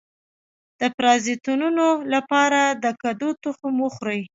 د پرازیتونو لپاره د کدو تخم وخورئ